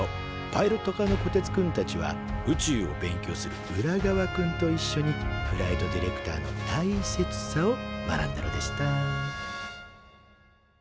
パイロット科のこてつくんたちは宇宙を勉強するウラガワくんといっしょにフライトディレクターの大切さを学んだのでしたＣＱＣＱ